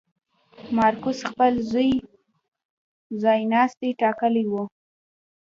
مارکوس خپل زوی ځایناستی ټاکلی و.